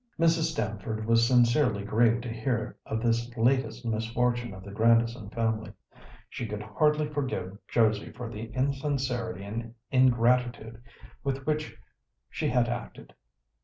Mrs. Stamford was sincerely grieved to hear of this latest misfortune of the Grandison family. She could hardly forgive Josie for the insincerity and ingratitude with which she had acted.